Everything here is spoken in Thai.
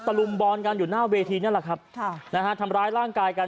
ลุมบอลกันอยู่หน้าเวทีนั่นแหละครับค่ะนะฮะทำร้ายร่างกายกัน